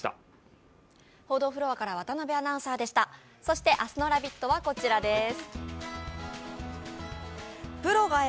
そして明日の「ラヴィット！」はこちらです。